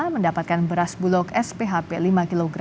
mendapatkan beras bulog sphp lima kg